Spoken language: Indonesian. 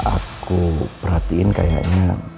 aku perhatiin kayaknya